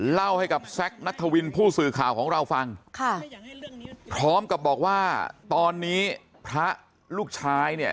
เล่าให้กับแซคนัทวินผู้สื่อข่าวของเราฟังค่ะพร้อมกับบอกว่าตอนนี้พระลูกชายเนี่ย